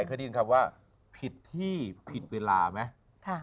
เคยได้ยินคำว่าผิดที่ผิดเวลาไหม